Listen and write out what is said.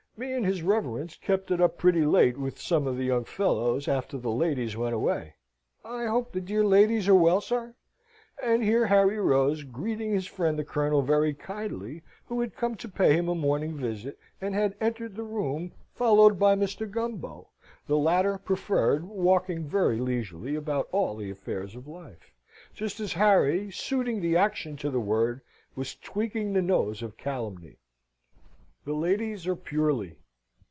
Me and his reverence kept it up pretty late with some of the young fellows, after the ladies went away. I hope the dear ladies are well, sir?" and here Harry rose, greeting his friend the Colonel very kindly, who had come to pay him a morning visit, and had entered the room followed by Mr. Gumbo (the latter preferred walking very leisurely about all the affairs of life), just as Harry suiting the action to the word was tweaking the nose of Calumny. "The ladies are purely.